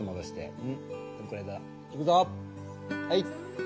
はい。